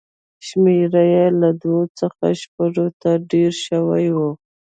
شمېر یې له دوو څخه شپږو ته ډېر شوی و.